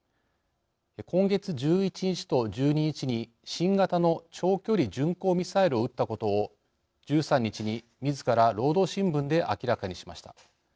今月１１日と１２日に新型の長距離巡航ミサイルを撃ったことを１３日にみずから労働新聞で明らかにしました。